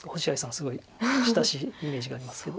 すごい親しいイメージがありますけど。